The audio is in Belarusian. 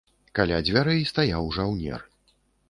Каля дзвярэй стаяў жаўнер.